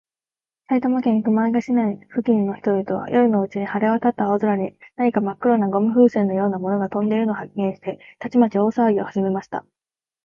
埼玉県熊谷市付近の人々は、夜のうちに晴れわたった青空に、何かまっ黒なゴム風船のようなものがとんでいるのを発見して、たちまち大さわぎをはじめました。